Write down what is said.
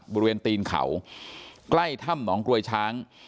บริเวณตีนเขาใกล้ถ้ำหนองกลวยช้าง